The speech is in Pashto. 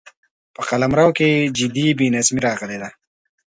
په قلمرو کې جدي بې نظمي راغلې ده.